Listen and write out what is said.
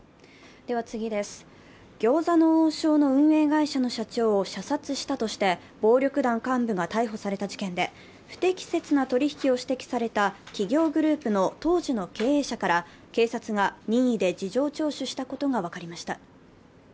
餃子の王将の運営会社の社長を射殺したとして暴力団幹部が逮捕された事件で不適切な取り引きを指摘された企業グループの当時の経営者から警察が任意で事情聴取したことが分かりました。